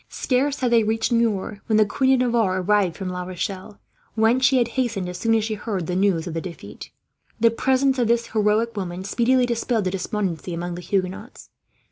Scarce had they reached Niort when the Queen of Navarre arrived from La Rochelle, whence she had hastened, as soon as she had heard the news of the defeat. The presence of this heroic woman speedily dispelled the despondency among the Huguenots.